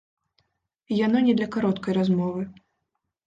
Яно не для кароткай размовы.